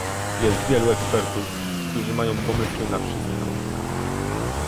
Jest wielu ekspertów, którzy mają pomysły na wszystko